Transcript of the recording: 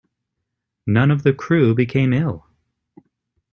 None of the crew became ill.